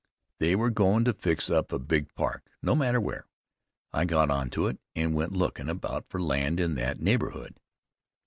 They were goin' to fix up a big park, no matter where. I got on to it, and went lookin' about for land in that neighborhood.